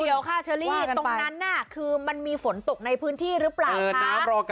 เดี๋ยวค่ะเชอรี่ตรงนั้นน่ะคือมันมีฝนตกในพื้นที่หรือเปล่าคะ